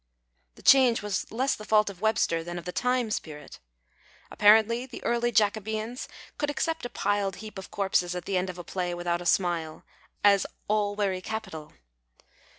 The change was less the fault of Webster than of the Time Spirit. Apparently the early Jacobeans could accept a piled heap of corpses at the end of a play without a smile, as " all wcrry capital."